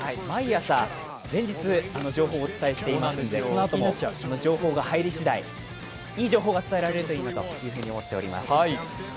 毎朝、連日、情報をお伝えしてますのでこのあとも情報が入りしだい、いい情報が伝えられるといいなと思っております。